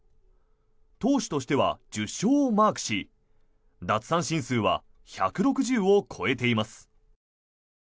投手としては１０勝をマークし奪三振数は１６０を超えています。